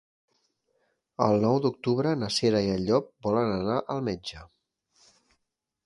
El nou d'octubre na Cira i en Llop volen anar al metge.